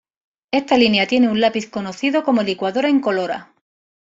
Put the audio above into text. Esta línea tiene un lápiz conocido como licuadora incolora.